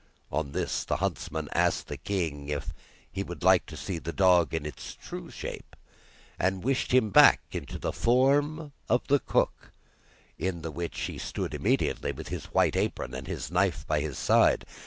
On this the huntsman asked the king if he would like to see the dog in his true shape, and wished him back into the form of the cook, in which he stood immediately, with his white apron, and his knife by his side.